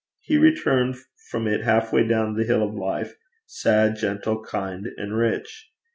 He returned from it half way down the hill of life, sad, gentle, kind, and rich.